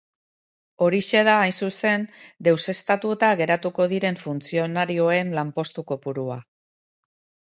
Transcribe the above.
Horixe da, hain zuzen, deuseztatuta geratuko diren funtzionarioen lanpostu kopurua.